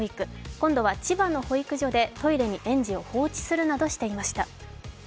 今度は千葉の保育所でトイレに園児を放置するなどしていました。